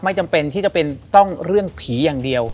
จำเป็นที่จำเป็นต้องเรื่องผีอย่างเดียว